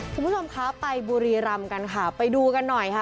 คุณผู้ชมคะไปบุรีรำกันค่ะไปดูกันหน่อยค่ะ